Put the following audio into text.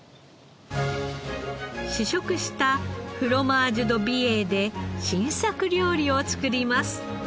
試食したフロマージュ・ド・美瑛で新作料理を作ります。